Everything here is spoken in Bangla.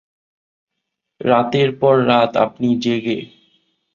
রাতের পর রাত আপনি জেগে।